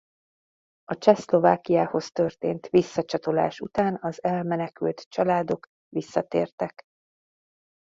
A Csehszlovákiához történt visszacsatolás után az elmenekült családok visszatértek.